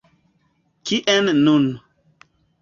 Kien nun.